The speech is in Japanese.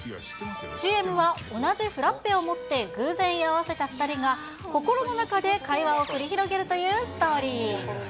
ＣＭは同じフラッペを持って偶然居合わせた２人が、心の中で会話を繰り広げるというストーリー。